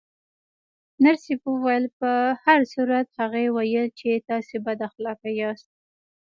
نرسې وویل: په هر صورت، هغې ویل چې تاسې بد اخلاقه یاست.